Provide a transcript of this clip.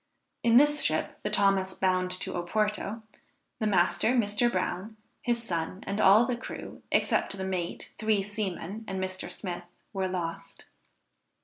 In this ship, the Thomas, bound to Oporto, the master, Mr. Brown, his son, and all the crew, except the mate, three seamen and Mr. Smith, were lost.